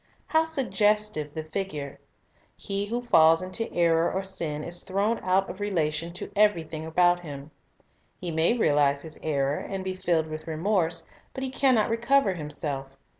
How suggestive the figure! He who falls into error or sin is thrown out of relation to everything about him. He may realize his error, and be filled with remorse; but he can not recover himself.